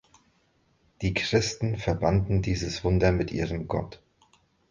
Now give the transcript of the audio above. Die Christen verbanden dieses Wunder mit ihrem Gott.